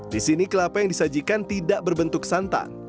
di sini kelapa yang disajikan tidak berbentuk santan